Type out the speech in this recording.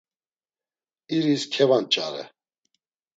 İris kevanç̌are.